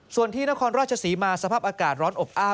ส่วนที่นครราชศรีมาสภาพอากาศร้อนอบอ้าว